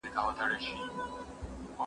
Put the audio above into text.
خو هغې خپله ګټلې شتمني غوره وګڼله.